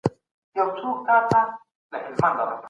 سیاستوال ولې د زندان له زور څخه ګټه اخلي؟